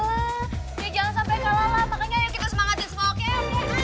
ya jangan sampe kalah lah makanya ayo kita semangatin semua oke